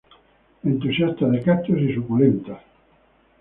Entusiasta de cactus y suculentas.